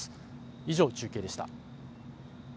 以上、中継でした。